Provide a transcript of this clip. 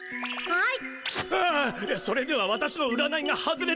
はい？